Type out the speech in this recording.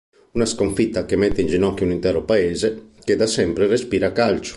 Una sconfitta che mette in ginocchio un intero paese, che da sempre respira calcio.